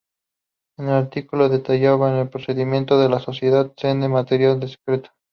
El artículo detallaba el procedimiento que la sociedad Sande mantenía en secreto.